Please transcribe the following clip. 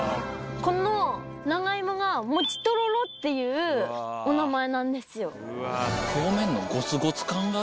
この長芋が。っていうお名前なんですよ。